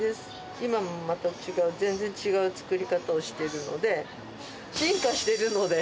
今はまた全然違う作り方をしてるので。